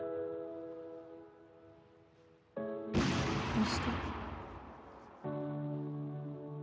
愛してる。